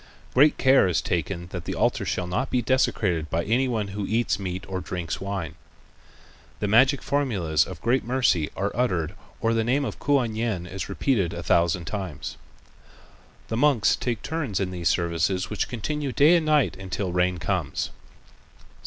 Great care is taken that the altar shall not be desecrated by any one who eats meat or drinks wine. The magic formulas of great mercy are uttered or the name of Kuan Yin is repeated a thousand times. The monks, take turn in these services which continue day and night until rain comes.